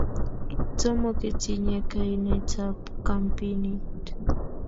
Tomo ketinye kainetab kampinit.